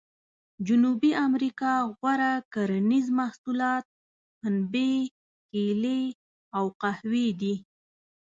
جنوبي امریکا غوره کرنیز محصولات پنبې، کېلې او قهوې دي.